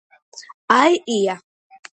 აი ია